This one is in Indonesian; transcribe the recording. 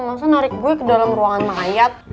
maksudnya narik gue ke dalam ruangan mayat